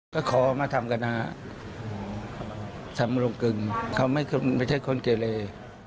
ก็ขอมาทำกันนะฮะทำลงกึ่งเขาไม่ใช่คนเกเล